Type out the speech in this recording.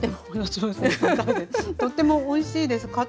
とってもおいしいです。